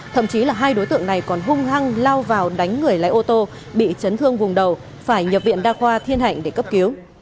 thậm chí là hai đối tượng này còn hung hăng lao vào đánh người lái ô tô bị chấn thương vùng đầu phải nhập viện đa khoa thiên hạnh để cấp cứu